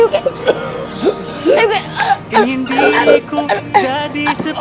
keh dikit dikit ayo keh